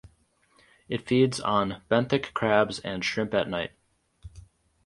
It feeds on benthic crabs and shrimp at night.